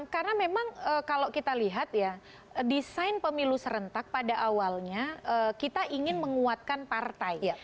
karena memang kalau kita lihat ya desain pemilu serentak pada awalnya kita ingin menguatkan partai